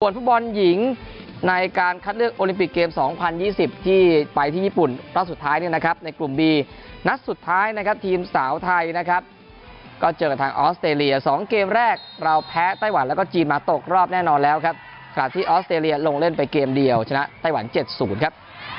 ฟุตบอลหญิงในการคัดเลือกโอลิมปิกเกม๒๐๒๐ที่ไปที่ญี่ปุ่นรอบสุดท้ายเนี่ยนะครับในกลุ่มบีนัดสุดท้ายนะครับทีมสาวไทยนะครับก็เจอกับทางออสเตรเลีย๒เกมแรกเราแพ้ไต้หวันแล้วก็จีนมาตกรอบแน่นอนแล้วครับขณะที่ออสเตรเลียลงเล่นไปเกมเดียวชนะไต้หวัน๗๐ครับ